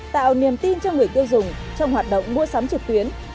tạo niềm tin cho người tiêu dùng trong hoạt động mua sắm trực tuyến